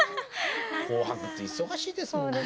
「紅白」って忙しいですもんね。